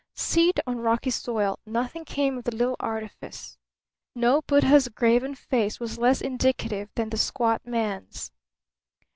Seed on rocky soil; nothing came of the little artifice. No Buddha's graven face was less indicative than the squat man's.